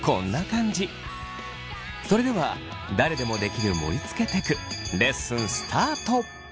それでは誰でもできる盛りつけテクレッスンスタート！